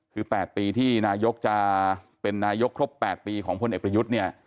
คือ๘ปีที่นายกจะเป็นนายกครบ๘ปีของพลเอกประยุทธ์เนี่ย